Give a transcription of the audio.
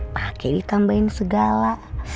pak kewi tambahin segala